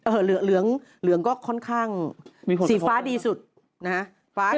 เหลืองก็ค่อนข้างสีฟ้าดีสุดนะฮะฟ้าเขียว